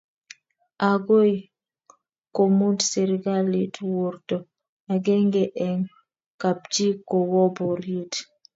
Agoi komut serikalit werto agenge eng' kapchii kowo boriet